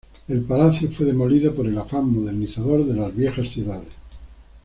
El palacio fue demolido por el afán modernizador de las viejas ciudades.